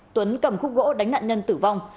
tuấn cầm khúc gỗ đánh nạn nhân tử vong